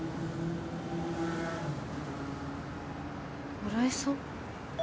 荒井さん？